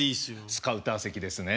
スカウター席ですね。